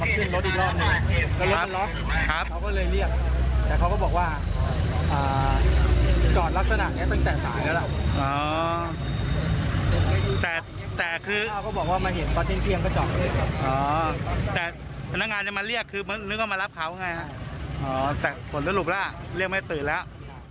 คือนึกว่ามารับข่าวไงแต่ผลลุกแล้วเรียกไม่ตื่นแล้ว